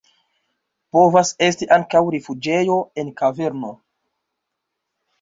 Povas esti ankaŭ rifuĝejo en kaverno.